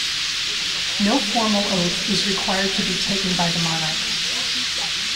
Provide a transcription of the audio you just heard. No formal oath is required to be taken by the monarch.